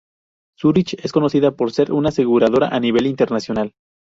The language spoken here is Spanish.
Zurich es conocida por ser una aseguradora a nivel internacional.